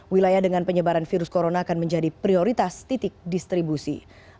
wilayah dengan penyebaran virus corona akan menjadi prioritas titik distribusi